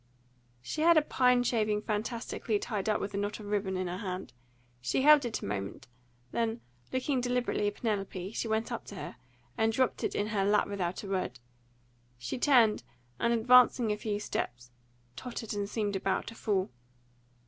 She had a pine shaving fantastically tied up with a knot of ribbon, in her hand. She held it a moment; then, looking deliberately at Penelope, she went up to her, and dropped it in her lap without a word. She turned, and, advancing a few steps, tottered and seemed about to fall.